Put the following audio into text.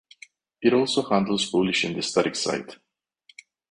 It also handles publishing the static site